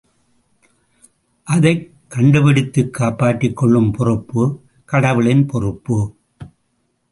அதைக் கண்டு பிடித்துக் காப்பாற்றிக் கொள்ளும் பொறுப்பு கடவுளின் பொறுப்பு.